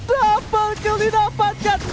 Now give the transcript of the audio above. double kill didapatkan